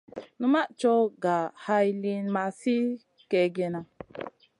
Numaʼ coyh ga hay liyn ma sli kègèna.